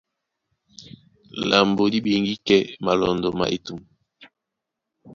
Lambo dí ɓeŋgí kɛ́ malɔndɔ má etûm.